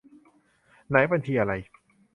ไหน บัญชีอะไร